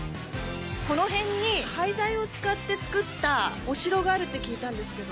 この辺に、廃材を使って作ったお城があるって聞いたんですけど。